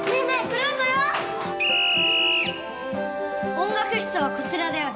音楽室はこちらである。